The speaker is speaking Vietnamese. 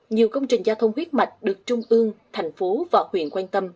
nhiều công trình giao thông huyết mạch được trung ương thành phố và huyện quan tâm